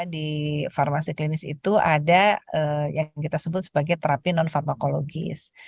di farmasi klinis itu ada yang kita sebut sebagai terapi non farmakologis